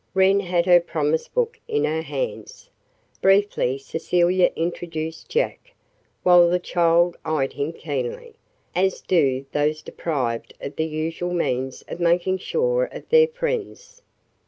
Wren had her promise book in her hands. Briefly Cecilia introduced Jack, while the child eyed him keenly, as do those deprived of the usual means of making sure of their friends.